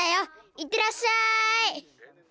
いってらっしゃい！